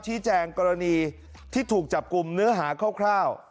แจ้งกรณีที่ถูกจับกลุ่มเนื้อหาคร่าว